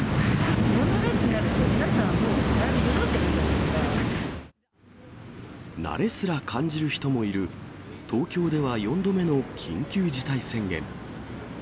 ４度目になると、皆さんもう、慣れすら感じる人もいる、東京では４度目の緊急事態宣言。